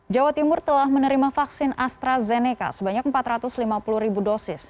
jawa timur telah menerima vaksin astrazeneca sebanyak empat ratus lima puluh ribu dosis